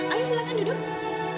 ayo silahkan duduk